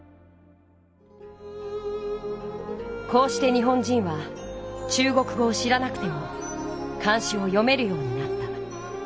こうして日本人は中国語を知らなくても漢詩を読めるようになった。